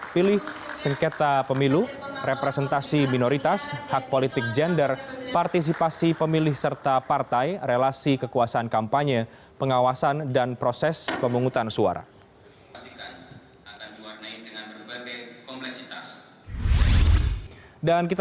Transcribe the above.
pilih sengketa pemilu representasi minoritas hak politik gender partisipasi pemilih serta partai relasi kekuasaan kampanye pengawasan dan proses pemungutan suara